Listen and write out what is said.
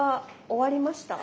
終わりました？